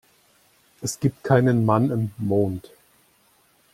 Es gibt keinen Mann im Mond.